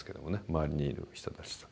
周りにいる人たちと。